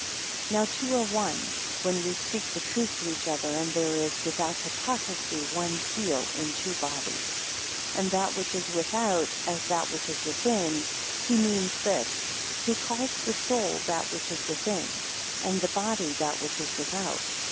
2 Now two are one, when we speak the truth to each other, and there is (without hypocrisy) one seal in two bodies: 3 And that which is without as that which, is within; He means this; he calls the soul that which is within, and the body that which is without.